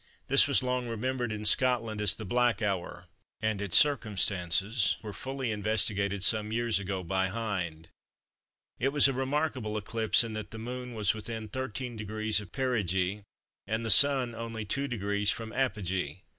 This was long remembered in Scotland as the "Black Hour," and its circumstances were fully investigated some years ago by Hind. It was a remarkable eclipse in that the Moon was within 13° of perigee and the Sun only 2° from apogee.